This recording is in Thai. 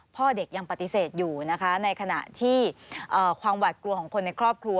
พ่อเด็กยังปฏิเสธอยู่นะคะในขณะที่ความหวาดกลัวของคนในครอบครัว